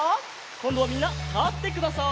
こんどはみんなたってください。